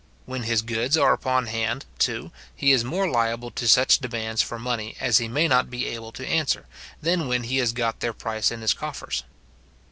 When his goods are upon hand, too, he is more liable to such demands for money as he may not be able to answer, than when he has got their price in his coffers.